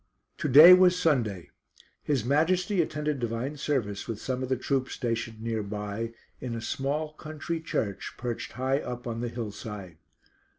To day was Sunday. His Majesty attended Divine Service with some of the troops stationed near by, in a small country church perched high up on the hill side.